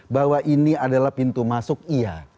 bahwa ini adalah pintu masuk iya